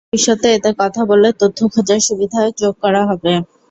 ভবিষ্যতে এতে কথা বলে তথ্য খোঁজার সুবিধা যোগ করা হবে।